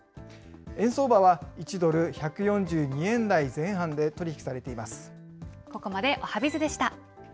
円相場は、１ドル１４２円台前半で取り引きされています。